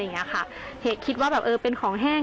น่าจะคิดว่าเป็นของแห้ง